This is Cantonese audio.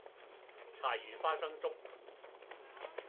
柴魚花生粥